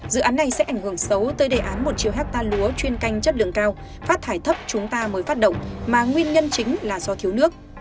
dự án này sẽ ảnh hưởng xấu tới đề án một triệu hectare lúa chuyên canh chất lượng cao phát thải thấp chúng ta mới phát động mà nguyên nhân chính là do thiếu nước